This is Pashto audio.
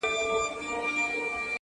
زوی یې وویل غم مه کوه بابکه.!